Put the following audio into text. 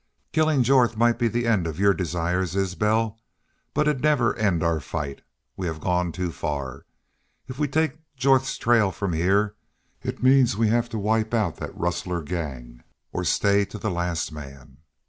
"Killin' Jorth might be the end of your desires, Isbel, but it 'd never end our fight. We'll have gone too far.... If we take Jorth's trail from heah it means we've got to wipe out that rustier gang, or stay to the last man."